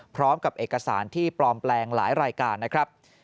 พร้อมกับเอกสารที่ปลอมแปลงหลายรายการนะครับ